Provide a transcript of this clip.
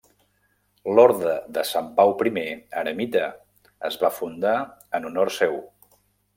L'Orde de Sant Pau Primer Eremita es va fundar en honor seu.